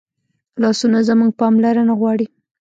لاسونه زموږ پاملرنه غواړي